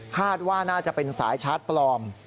คาดว่าน่าจะเป็นสายชาร์จปลอม